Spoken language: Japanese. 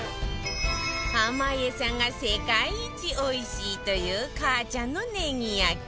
濱家さんが世界一おいしいというかあちゃんのネギ焼き